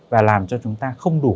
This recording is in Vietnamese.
và làm cho chúng ta không đủ khỏe